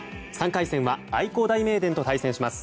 ３回戦は愛工大名電と対戦します。